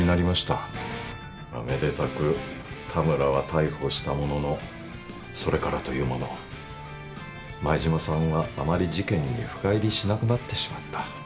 まあめでたく田村は逮捕したもののそれからというもの舞島さんはあまり事件に深入りしなくなってしまった。